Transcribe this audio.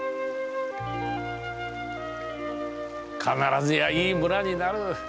必ずやいい村になる。